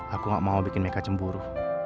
aku gak mau bikin mereka cemburu